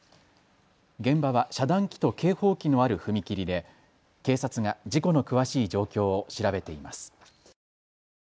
現場は遮断機と警報機のある踏切で警察が事故の詳しい状況を調べています。